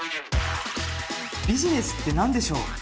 ビジネスって何でしょう？